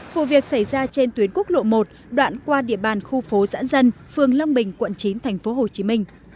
vụ việc xảy ra trên tuyến quốc lộ một đoạn qua địa bàn khu phố giãn dân phường lâm bình quận chín thành phố hồ chí minh